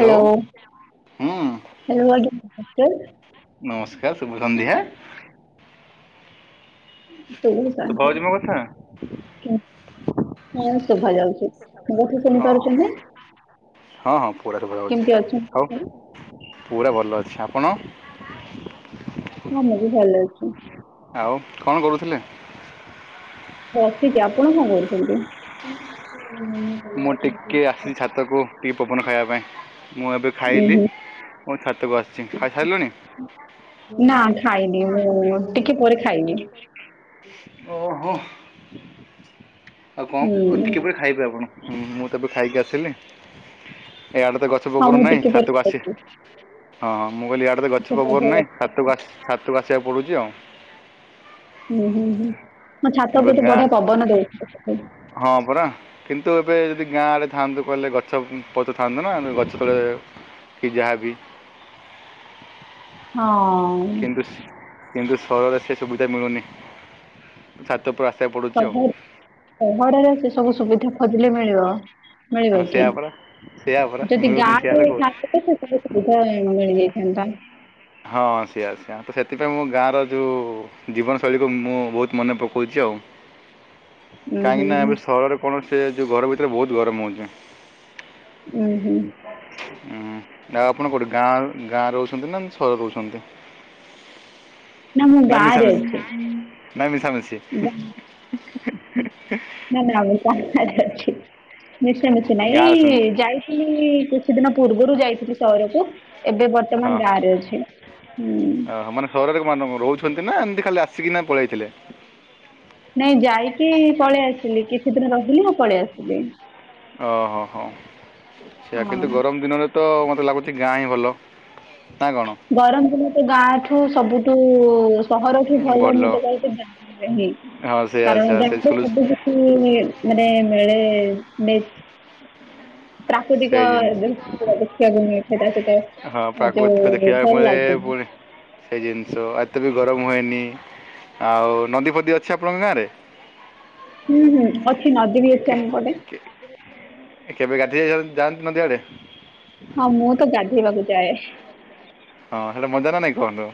Hello ହୁଁ hello ଆଜ୍ଞା ନମସ୍କାର। ନମସ୍କାର ଶୁଭ ସନ୍ଧ୍ୟା। ଶୁଭ ଶୁଭା ହଉଛି ମୋ କଥା? ସନ୍ଧ୍ଯା ହଁ ଶୋଭା ଯାଉଛି। ମୋ କଥା ହଁ ଶୁଣି ପାରୁଛନ୍ତି ହଁ ହଁ ପୁରା ଶୁଭା ଯାଉଛି କେମିତି ଅଛନ୍ତି? ଆଉ। ପୁରା ଭଲ ଅଛି ଆପଣ। ମୁଁ ମେଡିକାଲ ରେ ଅଛି। ଆଉ କଣ କରୁଥିଲେ। ବସିଛି ଆପଣ କଣ କରୁଛନ୍ତି ଉଁ। ମୁଁ ଟିକେ ଆସିଛି ଛାତକୁ ଟିକେ ପବନ ଖାଇବା ପାଇଁ। ମୁଁ ଏବେ ଉୁଁ ଖାଇଲି ହୁଁ ମୋ ଛାତକୁ ଆସିଛି ଖାଇସାରିଲୁଣି। ନା ଖାଇବି ମୁଁ ଟିକେ ପରେ ଖାଇବି। ଓହୋ। ଆଉ ହୁଁ କଣ ଟିକେ ପରେ ଖାଇବେ ଆପଣ ହୁଁ ମୁଁ ତ ଏବେ ଖାଇକି ଆସିଲି ଏଇଆଡେ ତ ଗଛ। ଗଛ ହଁ ପବନ ମୁଁ ନାହିଁ ଟିକେ ପରେ ଛାତକୁ ଆସି ଖାଇବି ହଁ ମୁଁ କହିଲି ଇଆଡ଼େ ତ ଗଛ ପବନ ନାହିଁ ହୁଁ ଛାତକୁ ଆସି। ଛାତକୁ ଆସିବାକୁ ପଡ଼ୁଛି ଆଉ। ହୁଁ ହୁଁ ହୁଁ। ମୋ ଛାତ ଏବେ ଉପରେ ତ ଗାଁ ବଢିଆ ପବନ ଦଉଛି ହଁ ହଁ ପରା। କିନ୍ତୁ ଏବେ ଯଦି ଗାଁ ରେ ଥାଆନ୍ତୁ କହିଲେ ଗଛ, ପତ୍ର ଥାନ୍ତା ନା ଆମେ ଗଛ ତଳେ କି ଯାହା ବି। ହଁ। କିନ୍ତୁ କିନ୍ତୁ ସହରରେ ସେ ସୁବିଧା ମିଳୁନି ଛାତ ଉପରେ ଆସିବାକୁ ପଡ଼ୁଛି ଆଉ। ସହର ସହରରେ ସେ ସବୁ ସୁବିଧା ଖୋଜିଲେ ମିଳିବ। ମିଳିବ ହଁ କି ସେୟା ପରା ସେୟା ପରା ଯଦି ମିଳୁନି ଗାଁ ସେୟା ତ କୁ କହୁଛି ସଂସ୍କୃ। କେ ସବୁ ସୁବିଧା ମିଳିଯାଇଥାନ୍ତା। ହଁ ସେଆ ସେଆ ତ ସେଥିପାଇଁ ମୋ ଗାଁର ଯୋଉ ଜୀବନଶୈଳୀକୁ ମୁଁ ବହୁତ ମନେ ପକଉଛି ଆଉ। ଉଁ ହୁଁ କାହିଁକି ନା ହୁଁ। ଏବେ ସହରରେ କଣ ସେ ଯୋଉ ଘର ଭିତରେ ବହୁତ ଗରମ ହଉଛି। ଉଁ ହୁଁ। ଉୁଁ ଆଉ ଆପଣ କୋଉଠି ଗାଁ ଗାଁରେ ରହୁଛନ୍ତି ନା ସହରରେ ରହୁଛନ୍ତି। ନା ମିଶା ମିିଶି ନା ମିଶା ମିଶି। ନା ନା ନା ଆମ ସାମ୍ନା ରେ ଅଛି। ମିଶା ମିଶି ନାଇଁ ଗାଁ ଅଛନ୍ତି ଯାଇଥିଲି କିଛି ଦିନି ପୂର୍ବରୁ ଯାଇଥିଲି ସହରକୁ ଏବେ ବର୍। ହଁ ଅ ମାନେ ସହରରେ ମାନେ କଣ ରହୁଛନ୍ତି ନା ଏମିତି ଖାଲି ଆସିକିନା ପଳେଇଥିଲେ ନାଇଁ ଯାଇକି ପଳେଇ ଆସିଲି କିଛି ଦିନି ରହିଲି ଆଉ ପଳେଇ ଆସିଲି। ଓହୋ ହୋ ସେଇଆ ହଁ କିନ୍ତୁ ଗରମ ଦିନରେ ତ ମତେ ଲାଗୁଛି ଗାଁ ହିଁ ଭଲ। ନା କ'ଣ ଗରମ ଦିନ ତ ଗାଁଠୁ ସବୁଠୁ ସହରଠୁ ଭଲ ମୁଁ ତ କହିବି ଗାଁ ନେହି ହଁ ସେଇଆ କାରଣ ସେଇଆ ଗାଁ ସେଇ ରେ ସ୍କୁଲ୍ ସବୁ କିଛି ମାନେ ମିଳେ ନେ। ସେଇ ଦୃଶ୍ୟ ଦେଖିବାକୁ ମିଳିଥାଏ ତା ହଁ ସହିତ ପ୍ରାକୃତିକ ଯୋଉ ଦେଖିବା ଭଲ ମିଳେ ଲାଗେ ପୁଣି ସେଇ ଜିନିଷ ଏତେ ବି ଗରମ ହୁଏନି ଆଉ ନଦୀ, ଫଦୀ ଅଛି ଆପଣଙ୍କ ଗାଁରେ ହୁଁ ହୁଁ। ଅ କେବେ ଗାଧେଇ ଯାଆନ୍ତି ନଦି ଆଡେ? ହଁ ମୁଁ ତ ଗାଧେଇବାକୁ ଯାଏ। ହଁ ହେଟା ମଜା ନା ନାଇଁ କୁହନ୍ତୁ?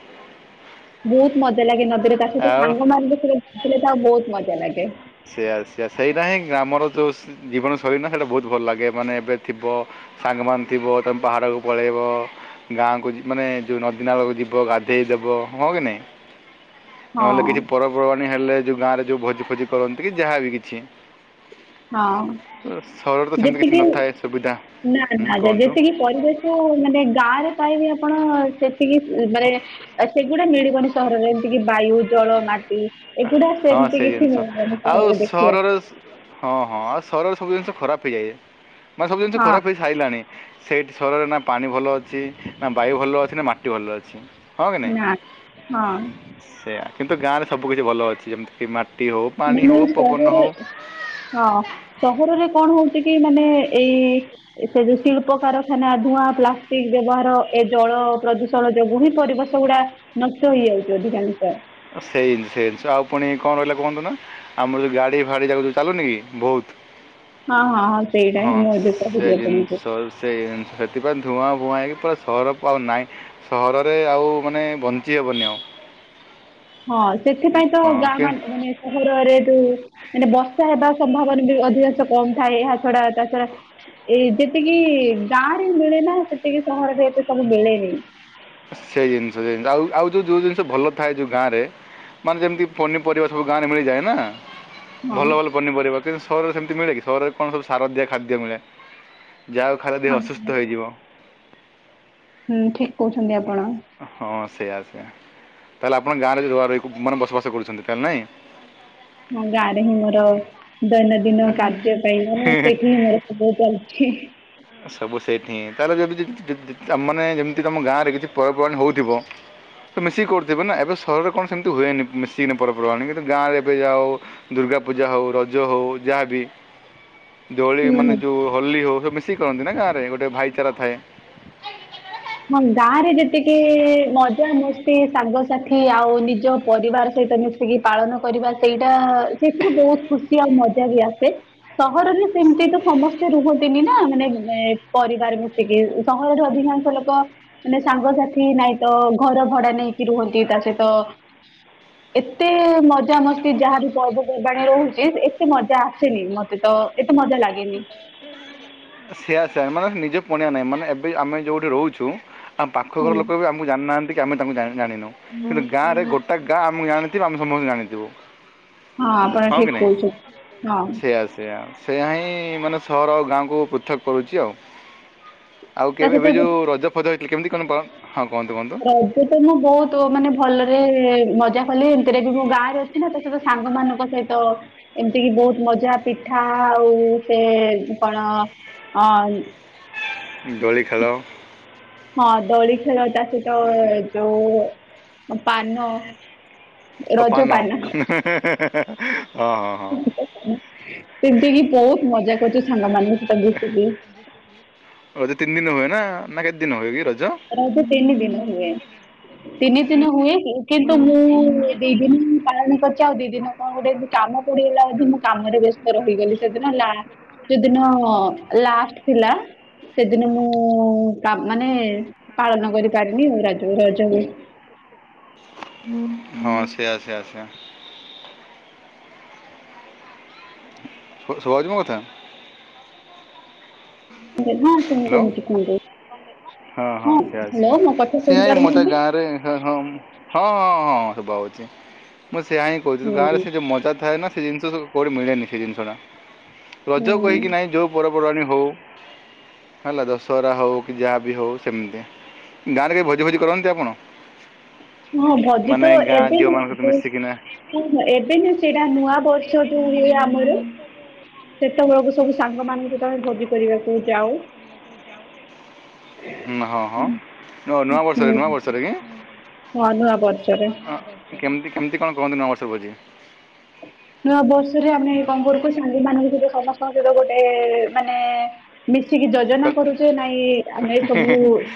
ବହୁତ ମଜା ଲାଗେ ନଦୀରେ ତା ସହିତ ଆଉ ସାଙ୍ଗମାନେ ବି ଥିଲେ ସାଥିରେ ବହୁତ ମଜା ଲାଗେ। ସେଇଆ ସେଇଆ ସେଇରା ହିଁ ଗ୍ରାମର ଯୋଉ ଜୀବନ ଶୈଳୀ ନା ସେଇଟା ବହୁତ ଭଲ ଲାଗେ ମାନେ ଏବେ ଥିବ। ସାଙ୍ଗମାନ ଥିବ ତମେ ପାହାଡକୁ ପଳେଇବ। ଗାଁକୁ ଯି ମାନେ ଯୋଉ ନଦୀ ନାଳକୁ ଯିବ ଗାଧେଇ ଦବ ହଁ କି ନାଇଁ। ହଁ ନହେଲେ କିଛି ପର୍ବପର୍ବାଣି ହେଲେ ଯେଉଁ ଗାଁରେ ଯେଉଁ ଭୋଜି ଫୋଜି କରନ୍ତି କି ଯାହାବି କିଛି? ହଁ ସହରରେ ତ ସେମିତି କିଛି ଯେତିକି ନଥାଏ ସୁବିଧା। ନା ହୁଁ ନା କୁହନ୍ତୁ? ଯେତିକି ପରିବେଶ ମାନେ ଗାଁ ରେ ପାଇବେ ଆପଣ ସେତିକି ମାନେ ଆ ସେଗୁଡା ମିଳିବନି ସହରରେ ଏମିତି କି ବାୟୁ ଜଳ ମାଟି। ଏଗୁଡା ହଁ ସେମିତି ସେଇ କିଛି ଜିନିଷ ନ ମାନ ଆଉ ଘରେ ସହରରେ ଦେଖିବାକୁ। ହଁ ହଁ ଆଉ ଶହରରେ ସବୁ ଜିନିଷ ଖରାପ ହେଇଯାଏ। ମାନେ ସବୁ ଜିନିଷ ହଁ ଖରାପ ହେଇ ସାଇଲାଣି ସେଇଠି ସହରରେ ନା ପାଣି ଭଲ ଅଛି ନା ବାୟୁ ଭଲ ଅଛି ନା ମାଟି ଭଲ ଅଛି। ହଁ କି ନାଇଁ ନା ହଁ ସେଇୟା କିନ୍ତୁ ଗାଁରେ ସବୁ କିଛି ଭଲ ଅଛି। ଯେମିତି କି ମା ଟି ହୋଉ ପାଣି ମାନେ ହୋଉ ପବନ ସହର ହୋଉ। ହଁ ସହରରେ କଣ ହଉଛି କି ମାନେ ଏଇ ସେ ଯୋଉ ଶିଳ୍ପ କାରଖାନା ଧୂଆଁ ପ୍ଲାଷ୍ଟିକ ବ୍ୟବହାର ଏ ଜଳ ପ୍ରଦୂଷ ଜଳ ଯୋଗୁଁ ହିଁ ପରିବେଶ ଗୁଡା ନଷ୍ଟ ହେଇଯାଉଛି ଅଧିକାଂଶ। ସେଇନି ସେଇିନିସ ଆଉ ପୁଣି କଣ ରହିଲା କୁହନ୍ତୁ ନା। ଆମର ଯୋଉ ଗାଡି ଫାଡି ଯାକ ଯୋଉ ଚାଲୁନି କି ବହୁତ। ହଁ ହଁ ହଁ ସେଇଟା ହଁ ହିଁ ମୁଁ ଏବେ ସେ କହିଲି ଆପଣଙ୍କୁ ଜିନଷ ସେଇ ସେଥିପାଇଁ ଧୂଆଁ ଫୁଆଁ ହେଇକି ପୁରା ସହର ଆଉ ନାହିଁ। ସହରରେ ଆଉ ମାନେ ବଞ୍ଚି ହେବନି ଆଉ। ହଁ ସେଥିପାଇଁ ତ ହଁ ଗାଁ କିନ୍ତୁ ମାନ ମାନେ? ସହରରେ ଯୋଉ ମାନେ ବର୍ଷା ହେବା ସମ୍ଭାବନା ବି ଅଧିକାଂଶ କମ ଥାଏ। ଏହା ଛଡା ତା ଛଡା ଏଇ ଯେତିକି ଗାଁରେ ମିଳେ ନା ସେତିକି ସହରରେ ଏତେ ସବୁ ମିଳେନି? ସେଇ ଜିନିଷ ସେଇ ଜିଷ ଆ ଆଉ ଯୋଉ ଯୋଉ ଜିନିଷ ଭଲ ଥାଏ ଯୋଉ ଗାଁରେ। ମାନେ ଯେମିତି ପନିପରିବା ସବୁ ଗାଁରେ ମିଳିଯାଏ ନା। ହଁ ଭଲ ଭଲ ପନିପରିବା କିନ୍ତୁ ସହରରେ ସେମିତି ମିଳେ କି? ସହରରେ କଣ ସବୁ ସାର ଦିଆ ଖାଦ୍ୟ ମିଳେ। ଯାହାକୁ ଖାଇଲେ ଦେହ ହଁ ଅସସ୍ଥ ହଁ ହୋଇଯିବ। ହୁଁ ଠିକ କହୁଛନ୍ତି ଆପଣ? ହଁ ସେଇଆ ସେଇଆ। ତାହେଲେ ଆପଣ ଗାଁରେ ଉଁ ରହି ମାନେ ବସବାସ କରୁଛନ୍ତି ତାହେଲେ ନାଇଁ। ହୁଁ ଗାଁରେ ହିଁ ମୋର ଦୈନନ୍ଦିନ କାର୍ଯ୍ୟ ପାଇଁ ମାନେ ସେଠିିଁ ମୋର ସବୁ ଚାଲିଛି। ସବୁ ସେଇଠି ହଁ ତାହେଲେ ଯଦି କାମ ନାଇ ମାନେ ଯେମିତି ତମ ଗାଁ ରେ କିଛି ପର୍ବପର୍ବାଣି ହଉଥିବ। ତ ମିଶିକି କରୁଥିବେ ନା ଏବେ ସହରରେ କଣ ସେମିତି ହୁଏନି। ମିଶିକି ପରପର୍ବାଣି କିନ୍ତୁ ଗାଁରେ ଏବେ ଯାହାହଉ ଦୁର୍ଗାପୂଜା ହଉ ରଜ ହଉ ଯାହାବି? ଦୋଳି ହୁଁ। ମାନେ ଯୋଉ ହୋଲି ହଉ ସବ ମିଶିକି କରନ୍ତି ନା ଗାଁରେ ଗୋଟେ ଭାଇଚାରା ଥାଏ। ହଁ ଗାଁ ରେ ଯେତିକି ମଜାମସ୍ତି ସାଙ୍ଗସାଥି ଆଉ ନିଜ ପରିବାର ସହିତ ମୀ ସିକି ପାଳନ କରିବା ସେଇଟା ସେଥିରେ ବହୁତ ଖୁସି ଆଉ ମଜା ବି ଆସେ। ସହରରେ ସେମତି ତ ସମସ୍ତେ ରୁହନ୍ତିନି ନା। ମାନେ ଏ ପରିବାର ମିଶିକି ସହରରେ ଅଧିକାଂଶ ଲୋକ ମାନେ ସାଙ୍ଗସାଥି ନାଇଁ ତ ଘର ଭଡା ନେଇକି ରୁହନ୍ତି। ତା ସହିତ ଏତେ-ଏ ମଜା ମସ୍ତି ଯାହା ବିି ପର୍ବପର୍ବାଣୀ ରହୁଛି ଏତେ ମଜା ଆସେନି ମ ତ ଏତେ ମଜା ଲାଗେନି। ସେଆ ସେଆ ମାନେ ନିଜେ ପଣିଆ ନାହିଁ। ମାନେ ଏବେ ଆମେ ଯୋଉଠି ରହୁଛୁ ଆମ ପାଖ ଘର ହୁଁ। ଲୋକ କହିବେ ଆ ମୁଁ ଜାଣିନାହାନ୍ତି କି ଆମେ ତାଙ୍କୁ ଜା ଜାଣିନୁ। କିନ୍ତୁ ଗାଁରେ ଗୋଟେ ଗାଁ ମୁଁ ଜାଣିଥିବି ଆମେ ସମସ୍ତେ ଜାଣିଥିବୁ। ଆପଣ ହଁ ଠିକ କି ନାଇଁ? କହୁଛନ୍ତି ହଁ ସେଇଆ ସେୟା ସେୟା ହିଁ ମାନେ ସହର ଗାଁକୁ ପୃଥକ କରୁଛି ଆଉ। ଆଉ ତା କେବେ ଏବେ ସହିତ ଯେ ଯୋଉ ରଜ ଫଜ ହେଇଥିଲା କେମିତି କଣ ବ ହଁ କହନ୍ତୁ କହନ୍ତୁ। ଏବେ ତ ମୁଁ ବହୁତ ମାନେ ଭଲରେ--ଏ ମଜା କଲି ଏମିତିରେ ବି ମୁଁ ଗାଁରେ ତ ସେଠି ସାଙ୍ଗମାନଙ୍କ ସହିତ ଏମିତି କିି ବହୁତ ମଜା ପିଠା ଆଉ ସେ କଣ ଅ ଦୋଳି ଖେଳ। ହଁ ଦୋଳି ଖେଳ ତା ସହିତ ଯୋଉ ପାନ। ତ ପାନ ହେଁ ହେଁ ହଁ ହଁ ହଁ। ସେମିତି କିି ବହୁତ ମଜା କରିଛୁ ସାଙ୍ଗ ମାନଙ୍କ ସହିତ ମିସିକି। ରଜ ତିନ ଦିନ ହୁଏ ନା? ନା କେତେ ଦିନ ହୁଏ କି ରଜ? ରାଜ ତିନି ଦିନ ହୁଏ। ତିନି ଦିନ ହୁଏ କି କିନ୍ତୁ ମୁଁ ଦି ଦିନ ପାଳନ କରିଛି ଆଉ ଦି ଦିନ କଁ ଗୋଟେ ଏମିତି କାମ ପଡିଗଲା ବଧେ ମୁଁ କାମରେ ବ୍ୟସ୍ତ ରହିଗଲି ସେଦିନ ଲା ସେଦିନ ଲାଷ୍ଟ ଥିଲା। ସେଦିନ ମୁଁ ଉଁ ପା ମାନେ ପାଳନ କରିପାରିନି ରଜ ରଜ ରେ। ହଁ ସେଆ ସେଆ ସେଆ। ଶୁ ଶୁବାହଉଛି ମୋ କଥା? [unintelligible] ହଁ ଶୁଣୁଚି ହ୍ୟାଲୋ ଶୁଣୁଚି କୁହନ୍ତୁ। ହଁ ହଁ ସେଆ ହ୍ୟାଲୋ ସେଆ। ମୋ କଥା ସେଆ ଶୁଣି ହିଁ ମତେ ପାରୁଛନ୍ତି? ଗାଁ [unintelligible] ଆରେ ହଂ ହଁ ହଁ ହଁ ଶୁଭାହଉଛି। ମୁଁ ସେଇଆ ହିଁ [unintelligible] ହୁଁ ଗାଁରେ ସେ ଯଉ ମଜା ଥାଏନା ସେ ଜିନିଷ ସବୁ କଉଁଠି ମିଳେନି ସେ ଜିନିଷଟା। ରଜ ହୁଁ କହିକି ନାହିଁ ଯୋଉ ପର୍ବପର୍ବାଣୀ ହଉ ହେଲା। ଦଶହରା ହଉ କି ଯାହା ହଉ ସେମିତି। ଗାଁରେ କେବେ ଭୋଜି ଭୋଜି କରନ୍ତି ଆପଣ? ହଁ ଭୋଜି ମାନେ ତ ଗାଁ ଏବେ ନୁହଁ ଝିଅମାନଙ୍କ ସହିତ କିନ୍ତୁ ମିଶିକିନା ହଁ ହଁ ଏବେ ଯୋଉ ସେଇଟା ନୂଆ ବର୍ଷ ଯୋଉ ହୁଏ ଆମର ସେତେବେଳକୁ ସବୁ ସାଙ୍ଗ ମାନଙ୍କୁ ସହିତ ଭୋଜି କରିବାକୁ ଯାଉ। ହଂ ହଁ ହଁ ନୂଆ ନୂଆ ହୁଁ ବର୍ଷରେ ନୂଆ ବର୍ଷରେ କି? ହଁ ନୂଆ ବର୍ଷରେ। ହଁ କେମତି କେମିତି କଣ କରନ୍ତି ନୂଆବର୍ଷ ଭୋଜି? ନୂଆ ବର୍ଷରେ ଆମେ କଣ କରୁକି ସାଙ୍ଗ ମାନଙ୍କ ସହିତ ସମସ୍ତଙ୍କ ସହିତ ଗୋଟେ-ଏ ମାନେ-ଏ ମିଶିକି ଯୋଜନା କଲ୍- କରୁଚେ ନାଇଁ ଆମେ ସବୁ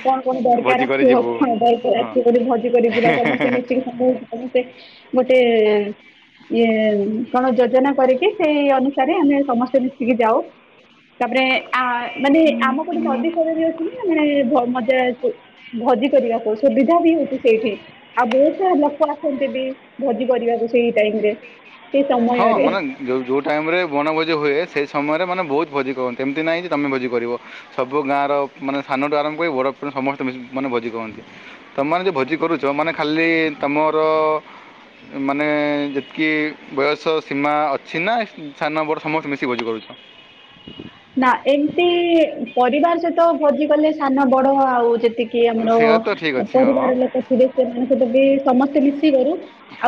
କଣ କଣ ଭୋଜି ଦରକାର କରି ଆସିବ ଯିବୁ କଣ ହଁ ରାତି କରି ଭୋଜି କରି ଯିବା ସମସ୍ତେ ମିଶିକି। [unintelligible] ଗୋଟେ ଇଏ କଣ ଯୋଜନା କରିକି ସେଇ ଅନୁସାରେ ଆମେ ସମସ୍ତେ ମିଶିକି ଯାଉ। ତାପରେ ଆ ମାନେ ଆମ ପଟେ ନଦୀ ଫଦୀ ଅଛି ନା ମାନେ ଭ ମଜା ଆସେ। ଭୋଜି କରିବାକୁ ସୁବି ସୁଧା ବି ହଉଛି ସେଇଠି। ଆଉ ବହୁତ ସାରା ଲୋକ ଆସନ୍ତି ବି ଭୋଜି କରିବାକୁ ସେଇ ଟାଇମରେ ହଁ ମାନେ ଯୋଉ ଯୋଉ ଟାଇମରେ ବଣଭୋଜି ହୁଏ ସେ ସମୟରେ ମାନେ ବହୁତ ଭୋଜି କରନ୍ତି। ଏମିତି ନାହିଁ ଯେ ତମେ ଭୋଜି କରିବ। ସବୁ ଗାଁର ମାନେ ସାନଠୁ ଆରମ୍ଭ କରି ବଡ଼ ପର୍ଯ୍ୟନ୍ତ ସମସ୍ତେ ମିଶି ମାନେ ଭୋଜି କରନ୍ତି। ତମେମାନେ ଯୋଉ ଭୋଜି କରୁଛ ମାନେ ଖାଲି ତମର ମାନେ ଯେତିକି ବୟସସୀମା ଅଛି ନା ସାନ ବଡ଼ ସମସ୍ତେ ମିଶିକି ଭୋଜି କରୁଛ? ନା ଏମତି ପରିବାର ସହିତ ଭୋଜି କଲେ ସାନ ବଡ ଆଉ ଯେଟିକି କି ସେଇଆ ତ ଠିକ୍ ଆମର ଅଛି ହଁ ହଁ ପରିବାର ଲୋକ ଥିବେ ସେମାନଙ୍କ ବି ସମସ୍ତେ ମିଶିକରୁ।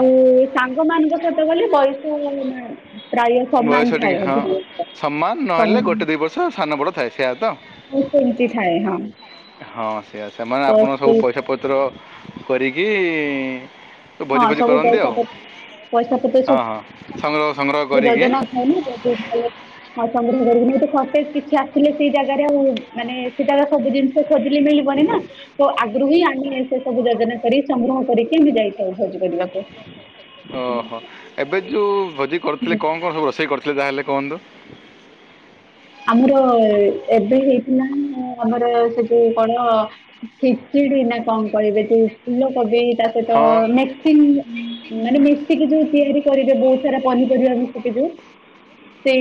ଆଉ ସାଙ୍ଗ ମାନଙ୍କ ସହିତ ଗଲେ ବୟସ [unintelligible] ପ୍ରାୟ ବୟସ ସମାନ ଟିକେ ଥାଏ ହଁ ଅଧିକ। ସମାନ ନହେଲେ ଗୋଟେ ଦୁଇ ବର୍ଷ ସାନ ବଡ଼ ଥାଏ ସେଇଆ ତ। ହଉ ସେମିତି ଥାଏ ହଁ। ହଁ ସେଇୟା ସେମାନେ ତ ଆପଣ ସବୁ ସେ ପଇସା ପତ୍ର କରିକି ତ ହଁ ଭୋଜି ଫୋଜି ସବୁ କରନ୍ତି ପଇସା ଆଉ ପତ୍ର ପଇସା ପତ୍ର ହଁ ହଁ ସଂଗ୍ରହ ସଂଗ୍ରହ କରିକି। ଧନ୍ୟ। ହଁ ଚନ୍ଦ୍ର କର ସତେ କିଛି ଆସିଲେ ସେଇ ଜାଗାରେ ଆଉ ମାନେ ସେଟା ସବୁ ଜିନି। ଖୋଜିଲେ ମିଳିବନି ନା ତ ଆଗରୁ ହିଁ ଆମେ ସେ ସବୁ ଜାଗାରେ। କରି ସଂଗ୍ରହ କରିକିମିତି ଯାଇଥାଉ ଭୋଜି କରିବାକୁ। ଓହୋ ଏବେ ଯୋଉ ଭୋଜି କରୁଥିଲେ ହୁଁ କଣ କଣ ସବୁ ରୋଷେଇ କରିୁଥିଲେ ତାହେଲେ କୁହନ୍ତୁ। ଆମର ଏବେ ହେଇଥିଲା ଆମର ସେ ଯୋଉ କଣ। ଖେଚେଡ଼ି ନା କଣ କରିବେ ତୋ ଫୁଲ କୋବି। ତା ସହିତ ହଁ ମିକ୍ସିଙ୍ଗ ମାନେ ମିକ୍ସ। ମିଶିକି ଯୋଉ ତିଆରି କରିବେ ବହୁତ ସାରା ପନିପରିବା ମିଶିକି ଯୋଉ ସେ।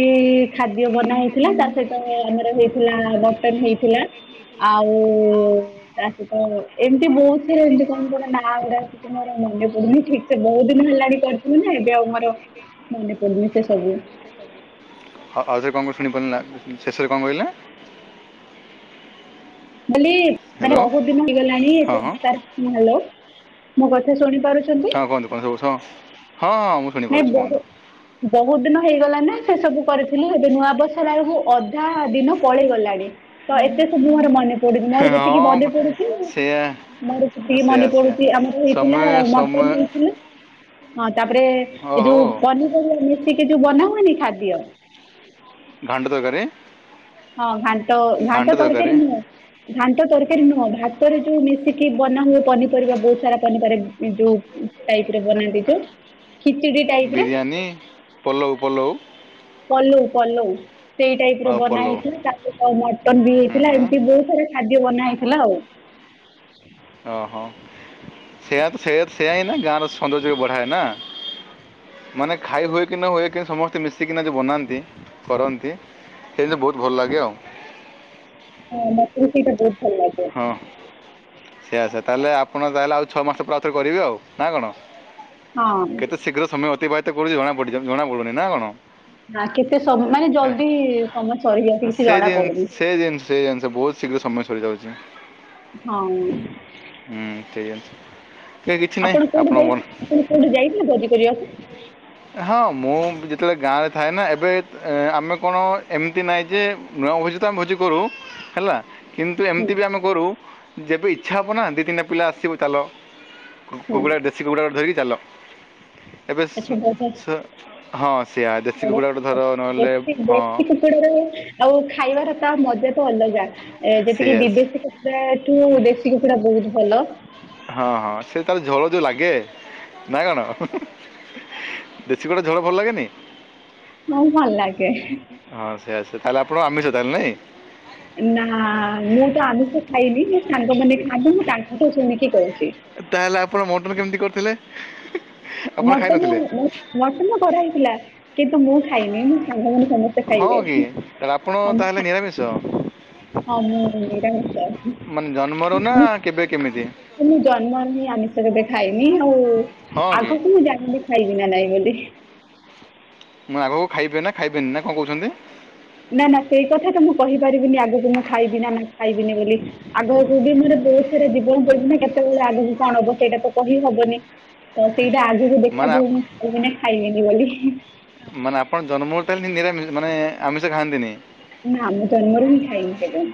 ଖାଦ୍ୟ ବନା ହେଇଥିଲା ତା ସହିତ ଆମର ହେଇଥିଲା ମଟନ ହେଇଥିଲା। ଆଉ ତା ସହିତ ଏମିତି ବହୁତ ସାରା ଏମତି କଣ କଣ ନାଁ ଗୁଡା। ମୋର ମନେ ପଡୁନି ଠିକ ସେ ବହୁତ ଦିନ ହେଲାଣି କରିଥିଲୁ ନା ଏବେ ଆଉ ମୋର ମନେ ପଡୁନି ସେ ସବୁ। ଆୁ। ହଉ ଆଉରେ କଣ ଶୁଣି ପାରିଲ ନା ଶେଷରେ କଣ କହିଲେ। ବୋଲି ମାନେ ହ୍ୟାଲୋ ବହୁତ ଦିନ ହେଇଗଲାଣି ହଁ ହଁ ହଲୋ ମୁୋ କଥା ଶୁଣିପାରୁଛି। ହଁ କୁହନ୍ତୁ କହ ସବୁ ହଁ ହଁ ମୁ। ନାଇଁ ବହୁତ। ବହୁତ ଦିନ ହେଇଗଲା ନା ସେ ସବୁ କରିଥିଲି ଏବେ ନୂଆବର୍ଷର ଆେଳକୁ ଅଧା ଦିନ ପଳେଇଗଲାଣି। ତ ଏତେ ସବୁ ମୋର ମନେ ପଡୁଛି ମୋର ଯେତିକି ହଁ ମନେ ପ- ପଡୁଛି। ସେୟା ମୋର ସେ ଟିକେ ସେୟା ମନେ ସେୟା ପଡୁଛି ଆମର ହେଇଥିଲା ମଟନ ହେଇଥିଲା। ହଁ ହଁ ତାପରେ ଏ ଯଉ ପନିପରିବା ମିଶିକି ଯୋଉ ବନା ହୁଏନି ଖାଦ୍ୟ। ଘାଣ୍ଟ ତରକାରୀ। ହଁ ଘାଣ୍ଟ ଘାଣ୍ଟ ତରକାରୀ ନୁହଁ। ଘାଣ୍ଟ ତରକାରୀ ନୁହଁ ଭାତରେ ଯୋଉ ମିଶିକି ବନା ହୁଏ ପନିପରିବା ବହୁତ ସାରା ପନିପରିବା ଯୋଉ। ସେଇ ଟାଇପରେ ବନାନ୍ତି ଖିଚିଦି ଟାଇପ ରେ। ବିରିୟାନୀ ପଲଉ ପଲଉ। ପଲଉ ପଲଉ ସେଇ ଟାଇପ ର ଆଉ ବନା ପଲଉ ହେଇଥିଲା ତା ସତ ମଟନ ବି ହୁଁ ହେଇଥିଲା ହୁଁ ଏମିତି ବହୁତ ସାରା। ଖାଦ୍ୟ ବନା ହେଇଥିଲା ଆଉ। ଓ ହୋ। ସେଆ ସେ ସେଆା ନା ଗାଁରେ ସୌନ୍ଦର୍ଯ୍ୟ ବଢ଼ାଏ ନା। ମାନେ ଖାଇ ହୁଏ କି ନ ହୁଏ କି ସମସ୍ତେ ମିଶିକି ନାଁ ଯୋଉ ବନାନ୍ତି କରନ୍ତି। ସେଇଦିନେ ବହୁତ ଭଲ ଲାଗେ ଆଉ। ହଁ ମତେ ବି ସେଇଟା ବହୁତ ଭଲ ଲାଗେ। ହଁ। ସେଇଆ ସେଇଆ ତାହେଲେ ଆପଣ ତାହେଲେ ଆଉ ଛଅ ମାସେ ପରେ ଆଉଥରେ କରିବେ ଆଉ ନା କଣ? ହଁ କେତେ ଶୀଘ୍ର ସମୟ ଅତିବାହିତ କରୁଛି ଜଣା ପଡୁଛି ଜଣା ପଡୁନି ନା କଣ? ନା କେତେ ସମ ମାନେ ଏ ଜଲ୍ଦି ସମୟ ସରିଯାଉଛି କିଛି ଜଣା ସେଇଦିନ ପଡୁନି ସେଇଦିନ ସେ ଜିନିଷ ବହୁତ ଶୀଗ୍ର ସମୟ ସରିଯାଉଛି। ହଁ ଉଁ। ହୁଁ ସେଇଆ ଏ କିଛି ନାହିଁ ଆପଣ କୋଉଠି ଆପଣଙ୍କ ଯାଇ ଆପଣ ମନ। କୋଉଠି ଯାଇଥିଲେ ଭୋଜି କରିବାକୁ ହଁ ମୁଁ ଯେତେବେଳେ ଗାଁରେ ଥାଏ ନା ଏବେ ଏ ଆମେ କଣ ଏମିତି ନାହିଁ ଯେ ନୂଆଁ ଭୋଜି ତ ଆମେ ଭୋଜି କରୁ ହେଲା କିନ୍ତୁ ଏ ହୁଁ ତି ବି ଆମେ କରୁ ଯେବେ ଇଚ୍ଛା ହେବ ନା ଦିଇ ତିନିଟା ପିଲା ଆସିବ ଚାଲ କୁ ହୁଁ କୁକୁଡ଼ା ଡେ ସେ କୁକୁଡା ଗୋଟେ ଧରିକି ଚାଲ। ଏବେ ସେ ଆଚ୍ଛା ବଢିଆ ସେ ହଁ ସେଆ ଦେଶୀ ବଢିଆ କୁକୁଡ଼ା ଗୋଟେ ଧର କଥା। ନହେଲେ ଦେଶୀ ହଁ। ଦେଶୀ କୁକୁଡାର ଆଉ ଖାଇବାର ତା ମଜା ତ ଅଲଗା। ଏ ଯେତିକି ସେଇଆ ବିଦେଶୀ କୁକୁଡା ଠୁ ଦେଶୀ କୁକୁଡା ବହୁତ୍ ଭଲ। ହଁ ହଁ ସେ ତାର ଝୋଳ ଯୋଉ ଲାଗେ ନା କଣ ହୁଁ ହୁଁ। ଦେଶୀ କୁକୁଡା ଝୋଳ ଭଲ ଲାଗେନି? ହଁ ଭଲ ଲାଗେ। ହଁ ସେଇଆ ଆସ ତାହେଲେ ଆପଣ ଆମିଷ ତାହେଲେ ନାଇଁ? ନା ମୁଁ ତ ଆମିଷ ଖାଇନି ମୋ ସାଙ୍ଗମାନେ ଖାଆନ୍ତି ମୁଁ ତାଙ୍କୁ ଠୁ ଶୁଣିକି କହୁଛି। ତାହେଲେ ଆପଣ ମଟନ କେମିତି କରିଥିଲେ। ଆପଣ ମଟନ ଖାଇନଥିଲେ ମଟ ମଟନ କରା ହେଇଥିଲା କିନ୍ତୁ ମୁଁ ଖାଇନି ମୋ ସାଙ୍ଗ ମାନେ ସମ ହଁ କି ଆପଣ ତାହେଲେ ନିରାମିଷ? ହଁ ମୁଁ ନିରାମିସ। ମାନେ ଜନ୍ମରୁ ନା କେବେ କେମିତି? ଏ ମୁଁ ଜନ୍ମରୁ ହିଁ ଆମିଷ କେବେ ଖାଇନି ଆଉ ହଁ କି ଆଗକୁ ମୁଁ ଜାଣିନି ଖାଇବି ନା ନାଇଁ ବୋଲି। ମୁଁ ଆଗକୁ ଖାଇବିନା ଖାଇବିନି, ନା କଣ କହୁଛନ୍ତି? ନା ନା ସେଇ କଥା ତ ମୁଁ କହିପାରିବିନି ଆଗକୁ ମୁଁ ଖାଇବି ନା ନା ଖାଇବିନି ବୋଲି। ଆଗକୁ ବି ମୋର ବହୁତ ସାରା ଜୀବନ ପଡିଛି ନା କେତେବେଳେ ଆଗକୁ କଣ ହବ ସେଇଟା ତ କହି ହବନି। ତ ସେଇଟା ଆଗକୁ ମାନେ ଆ- ଦେଖାଯିବ ମୁଁ ଖାଇବି ନା ଖାଇବିନି ବୋଲି। ମାନେ ଆପଣ ଜନ୍ମରୁ ତାହେଲେ ନି ନିରାମିଷ ମାନେଆମିଷ ଖାଆନ୍ତିନି? ନା ମୁଁ ଜନ୍ମରୁ ବି ଖାଇନି କେବେ।